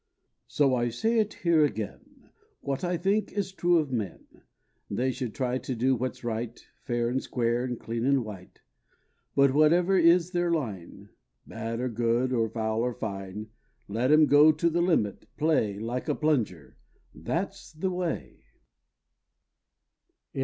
So I say it here again, What I think is true of men; They should try to do what's right, Fair an' square an' clean an' white, But, whatever is their line, Bad er good er foul er fine, Let 'em go the Limit, play Like a plunger, that's the way!